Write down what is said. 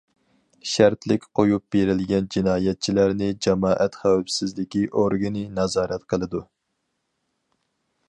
شەرتلىك قويۇپ بېرىلگەن جىنايەتچىلەرنى جامائەت خەۋپسىزلىكى ئورگىنى نازارەت قىلىدۇ.